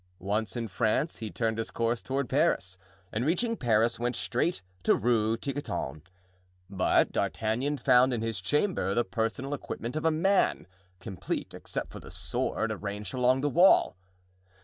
Once in France he turned his course toward Paris, and reaching Paris went straight to Rue Tiquetonne. But D'Artagnan found in his chamber the personal equipment of a man, complete, except for the sword, arranged along the wall.